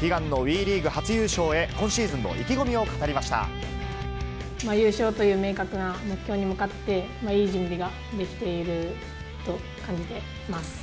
悲願のＷＥリーグ初優勝へ、今シーズンの意気込みを語りまし優勝という明確な目標に向かって、いい準備ができていると感じてます。